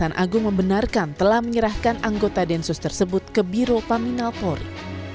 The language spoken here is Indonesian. kejaksaan agung membenarkan telah menyerahkan anggota densus tersebut ke biro paminal polri